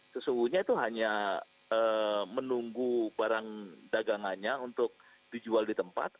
sesungguhnya itu hanya menunggu barang dagangannya untuk dijual di tempat